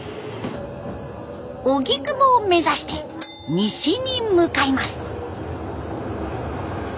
荻窪を目指して西に向かいます。